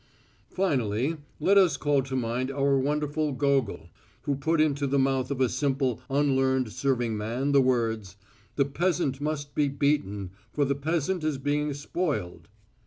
"Finally, let us call to mind our wonderful Gogol, who put into the mouth of a simple, unlearned serving man the words: 'The peasant must be beaten, for the peasant is being spoiled.'